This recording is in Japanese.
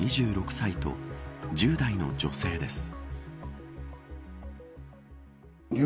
２６歳と１０代の女性です。